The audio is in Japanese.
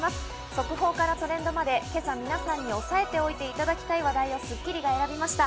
速報からトレンドまで今朝、皆さんに押さえておいていただきたい話題を『スッキリ』が選びました。